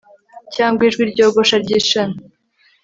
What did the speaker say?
cyangwa ijwi ryogosha ryishami